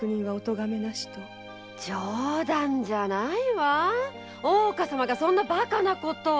冗談じゃないわ大岡様がそんなバカなことを。